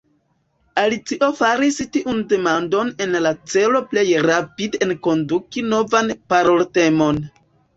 Alicio faris tiun demandon en la celo plej rapide enkonduki novan paroltemon.